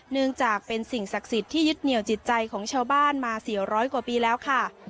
เนื่องจากเป็นสิ่งศักดิ์สิทธิ์ที่ยึดเหนียวจิตใจของชาวบ้านมา๔๐๐กว่าปีแล้วค่ะ